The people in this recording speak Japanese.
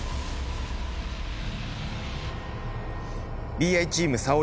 Ｂｉチーム沙織。